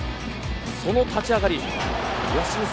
その立ち上がり。